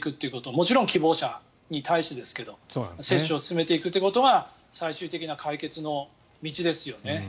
もちろん希望者に対してですが接種を進めていくことが最終的な解決の道ですよね。